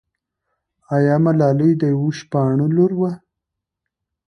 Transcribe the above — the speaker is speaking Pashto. آیا ملالۍ د یوه شپانه لور وه؟